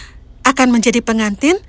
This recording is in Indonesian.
kami tidak akan menolak menikah dengan pangeran